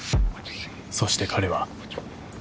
［そして彼は］